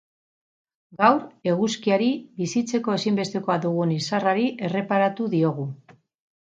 Gaur, eguzkiari, bizitzeko ezinbestekoa dugun izarrari erreparatu diogu.